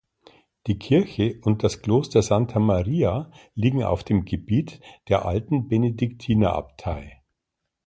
Die Kirche und das Kloster Santa Maria liegen auf dem Gebiet der alten Benediktinerabtei.